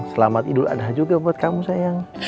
selamat idul adha juga buat kamu sayang